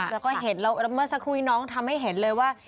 แล้วก็เห็นแล้วเมื่อสักครู่นี้น้องทำให้เห็นเลยว่า